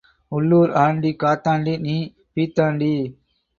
உள்ளூர் ஆண்டி காத்தாண்டி நீ பீத்தாண்டி.